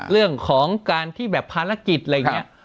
เรื่องของการที่แบบภารกิจอะไรอย่างนี้